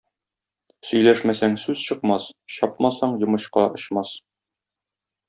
Сөйләшмәсәң сүз чыкмас, чапмасаң йомычка очмас.